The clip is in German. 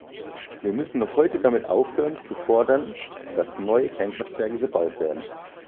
Wir müssen noch heute damit aufhören, zu fordern, dass neue Kernkraftwerke gebaut werden.